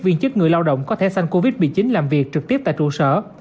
viên chức người lao động có thể sanh covid một mươi chín làm việc trực tiếp tại trụ sở